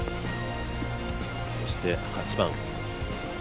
そして、８番。